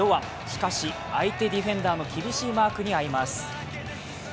しかし相手ディフェンダーの厳しいマークに遭います。